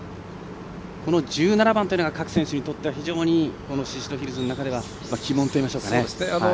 この１７番というのは各選手にとっては非常に宍戸ヒルズの中では鬼門といいましょうかね。